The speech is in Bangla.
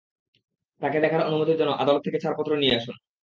তাকে দেখার অনুমতির জন্য আদালত থেকে ছাড়পত্র নিয়ে আসুন।